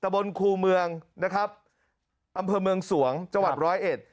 บนครูเมืองนะครับอำเภอเมืองสวงจังหวัดร้อยเอ็ด